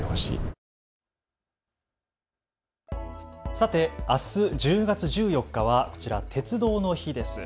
さてあす１０月１４日はこちら鉄道の日です。